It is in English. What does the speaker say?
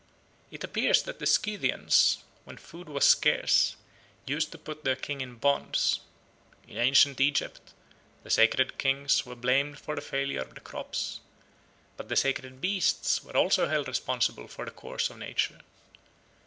It appears that the Scythians, when food was scarce, used to put their king in bonds. In ancient Egypt the sacred kings were blamed for the failure of the crops, but the sacred beasts were also held responsible for the course of nature.